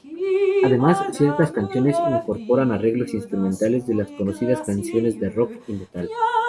Además, ciertas canciones incorporan arreglos instrumentales de las conocidas canciones de rock y metal.